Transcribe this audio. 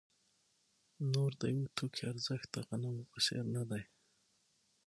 نور د یوه توکي ارزښت د غنمو په څېر نه دی